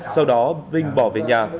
sau đó vinh bỏ về nhà